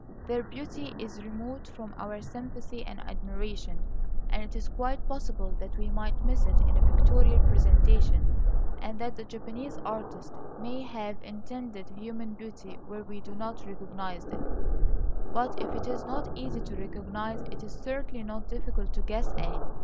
Their beauty is remote from our sympathy and admiration; and it is quite possible that we might miss it in pictorial presentation, and that the Japanese artist may have intended human beauty where we do not recognise it. But if it is not easy to recognise, it is certainly not difficult to guess at.